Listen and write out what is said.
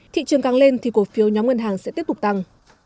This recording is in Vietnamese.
thị trường càng lên thì cổ phiếu nhóm ngân hàng sẽ tiếp tục tăng